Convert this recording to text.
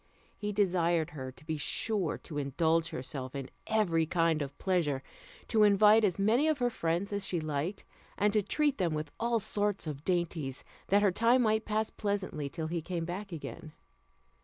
He desired her to be sure to indulge herself in every kind of pleasure, to invite as many of her friends as she liked, and to treat them with all sorts of dainties, that her time might pass pleasantly till he came back again.